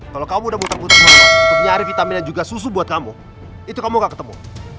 kalau kamu udah muter muter banget untuk nyari vitamin dan juga susu buat kamu itu kamu gak ketemu